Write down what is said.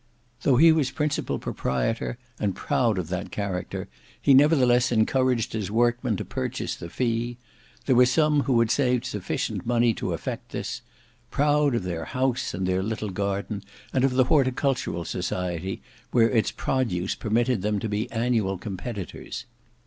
Though he was the principal proprietor, and proud of that character, he nevertheless encouraged his workmen to purchase the fee: there were some who had saved sufficient money to effect this: proud of their house and their little garden, and of the horticultural society, where its produce permitted them to be annual competitors.